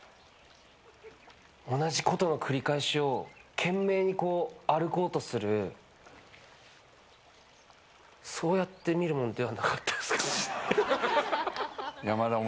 同じことの繰り返しを懸命に歩こうとするそうやって見るものではなかったですかね。